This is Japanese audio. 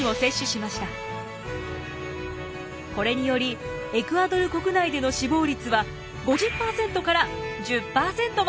これによりエクアドル国内での死亡率は５０％から１０％までに。